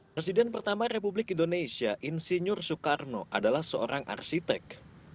presiden pertama republik indonesia insinyur soekarno adalah seorang arsitek